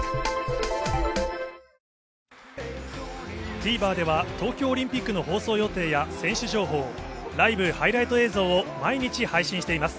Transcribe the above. ＴＶｅｒでは、東京オリンピックの放送予定や、選手情報、ライブ、ハイライト映像を毎日配信しています。